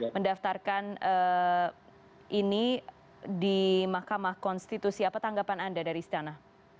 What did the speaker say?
mendaftarkan ini di mahkamah konstitusi apa tanggapan anda dari istana